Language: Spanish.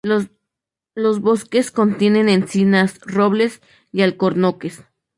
Los bosques contienen encinas, robles y alcornoques.